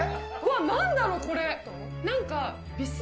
なんだろう、これ。